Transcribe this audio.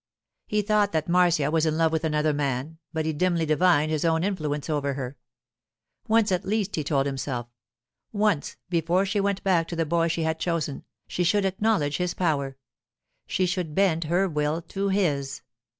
He thought that Marcia was in love with another man, but he dimly divined his own influence over her. Once at least, he told himself—once, before she went back to the boy she had chosen, she should acknowledge his power; she should bend her will to his.